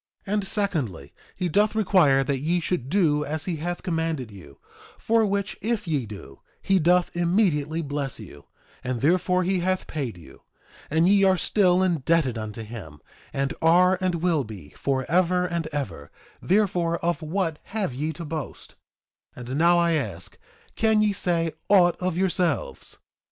2:24 And secondly, he doth require that ye should do as he hath commanded you; for which if ye do, he doth immediately bless you; and therefore he hath paid you. And ye are still indebted unto him, and are, and will be, forever and ever; therefore, of what have ye to boast? 2:25 And now I ask, can ye say aught of yourselves?